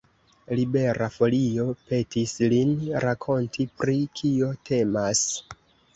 Libera Folio petis lin rakonti, pri kio temas.